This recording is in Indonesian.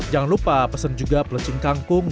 jangan lupa pesen juga pelecing kangkung